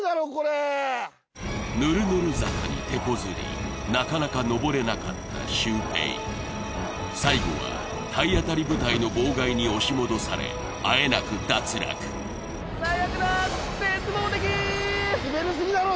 ぬるぬる坂に手こずりなかなかのぼれなかったシュウペイ最後は体当たり部隊の妨害に押し戻されあえなく脱落最悪だ絶望的滑りすぎだろ